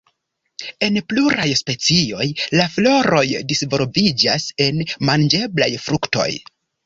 En pluraj specioj, la floroj disvolviĝas en manĝeblaj fruktoj.